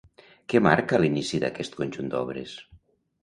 Què marca l'inici d'aquest conjunt d'obres?